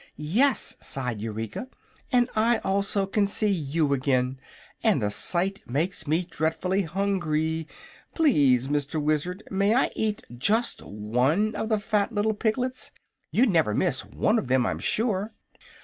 "Yes," sighed Eureka; "and I also can see you again, and the sight makes me dreadfully hungry. Please, Mr. Wizard, may I eat just one of the fat little piglets? You'd never miss one of them, I'm sure!"